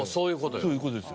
そういう事ですよ。